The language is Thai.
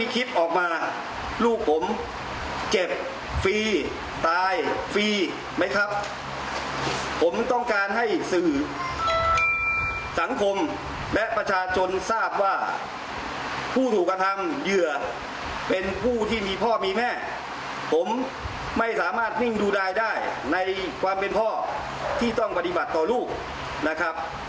กรณีดูดายได้ในความเป็นพ่อที่ต้องปฏิบัติต่อลูกนะครับ